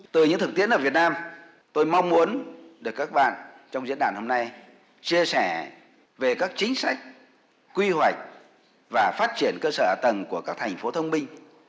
từ những thực tiễn ở việt nam tôi mong muốn được các bạn trong diễn đàn hôm nay chia sẻ về các chính sách quy hoạch và phát triển cơ sở ả tầng của các thành phố thông minh